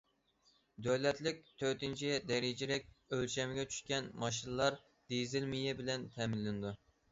دۆلەتلىك تۆتىنچى دەرىجىلىك ئۆلچەمگە چۈشكەن ماشىنىلار دىزېل مېيى بىلەن تەمىنلىنىدۇ.